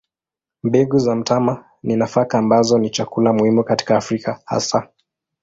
Mbegu za mtama ni nafaka ambazo ni chakula muhimu katika Afrika hasa.